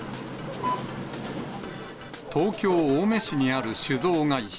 東京・青梅市にある酒造会社。